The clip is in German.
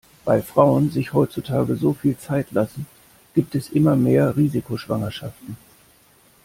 Weil Frauen sich heutzutage so viel Zeit lassen, gibt es immer mehr Risikoschwangerschaften.